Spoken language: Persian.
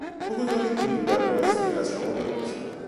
بگذارید بیرودربایستی از شما بپرسم.